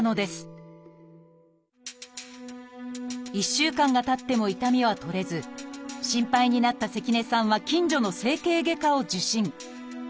１週間がたっても痛みは取れず心配になった関根さんは近所の整形外科を受診。